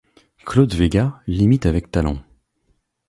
Claude Véga l'imite avec talent.